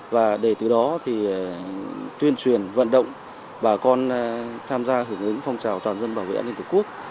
và để từ đó thì tuyên truyền vận động bà con tham gia hưởng ứng phong trào toàn dân bảo vệ an ninh tổ quốc